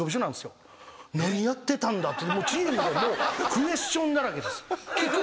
何やってたんだってチームでもうクエスチョンだらけです。